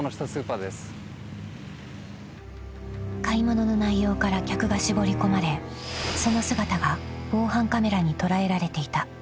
［買い物の内容から客が絞り込まれその姿が防犯カメラに捉えられていた］